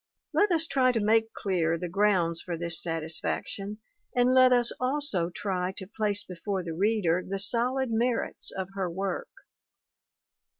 Let us try to make clear the grounds for this satisfaction and let us also try to place before the reader the solid merits of her work.